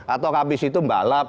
atau habis itu balap